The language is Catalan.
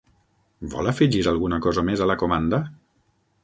Vol afegir alguna cosa més a la comanda?